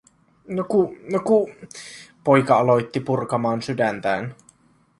"No ku, no ku...", poika aloitti purkamaan sydäntään.